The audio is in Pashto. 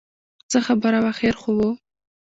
څه خبره وه خیر خو و.